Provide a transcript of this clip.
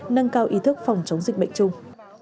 nâng cao ý thức phòng chống dịch bệnh chung